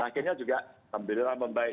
dan akhirnya juga alhamdulillah membaik